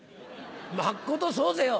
まっことそうぜよ。